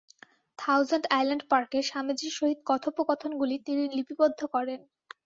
Thousand island পার্কে স্বামীজীর সহিত কথোপকথনগুলি তিনি লিপিবদ্ধ করেন।